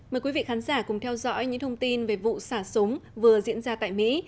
mời quý vị khán giả cùng theo dõi những thông tin về vụ xả súng vừa diễn ra tại mỹ